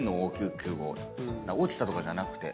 落ちたとかじゃなくて。